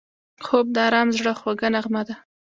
خوب د آرام زړه خوږه نغمه ده